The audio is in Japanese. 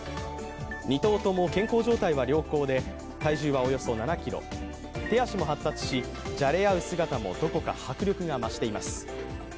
２頭とも健康状態は良好で体重はおよそ７ｋｇ、手足も発達し、じゃれ合う姿もどこか迫力が増しています。